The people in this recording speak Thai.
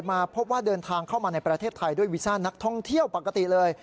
มาพบว่าเดินทางเข้ามาในประเทศไทยด้วยวีซ่านักท่องเที่ยวปกติเลย